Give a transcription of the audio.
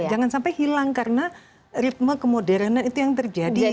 jangan sampai hilang karena ritme kemodernan itu yang terjadi